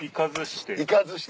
行かずして。